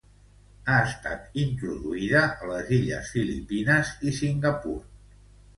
Ha estat introduïda a les illes Filipines i Singapur.